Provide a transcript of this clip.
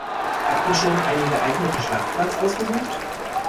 Habt ihr schon einen geeigneten Schlafplatz ausgesucht?